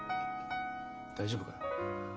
大丈夫かよ？